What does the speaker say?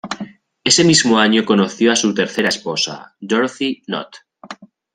Ese mismo año conoció a su tercera esposa, Dorothy Knott.